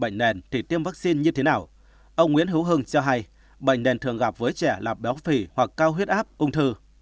bệnh nền thì tiêm vaccine như thế nào ông nguyễn hữu hưng cho hay bệnh nền thường gặp với trẻ lạp béo phì hoặc cao huyết áp ung thư